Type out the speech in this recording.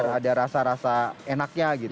ada rasa rasa enaknya gitu